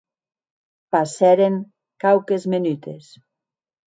Passèren quauques menutes.